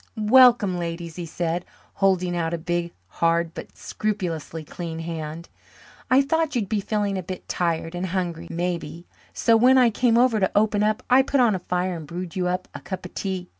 "Welcome, ladies," he said, holding out a big, hard, but scrupulously clean hand. "I thought you'd be feeling a bit tired and hungry, maybe, so when I came over to open up I put on a fire and brewed you up a cup of tea.